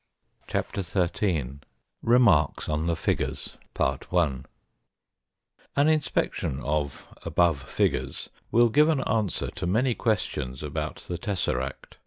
CHAPTER XIII REMARKS ON THE FIGURES AN inspection of above figures will give an answer to many questions about the tesseract.